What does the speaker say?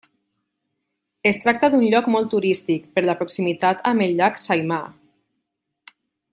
Es tracta d'un lloc molt turístic per la proximitat amb el llac Saimaa.